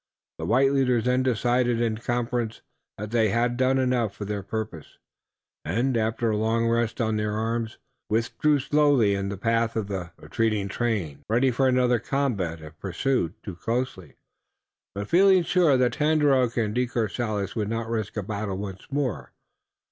The white leaders then decided in conference that they had done enough for their purpose, and, after a long rest on their arms, withdrew slowly in the path of the retreating train, ready for another combat, if pursued too closely, but feeling sure that Tandakora and De Courcelles would not risk a battle once more.